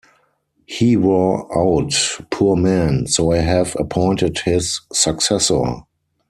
He wore out, poor man, so I have appointed his successor.